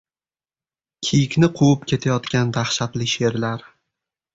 Kiyikni quvib ketayotgan dahshatli sherlar.